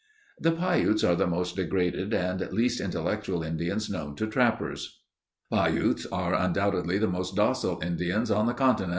"The Piutes are the most degraded and least intellectual Indians known to trappers." (Farnham's Life, p. 336.) "Pah utes are undoubtedly the most docile Indians on the continent."